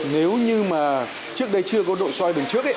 nếu như mà trước đây chưa có độ soi lối trước thì chúng ta mô mở